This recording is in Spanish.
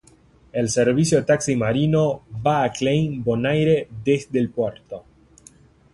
El servicio de taxi marino va a Klein Bonaire desde el puerto.